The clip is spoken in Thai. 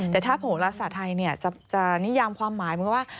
แต่ถ้าโหลศาสตร์ไทยจะนิยามความหมายมันก็ว่า